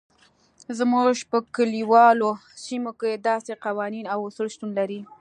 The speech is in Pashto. زموږ په کلیوالو سیمو کې داسې قوانین او اصول شتون لري.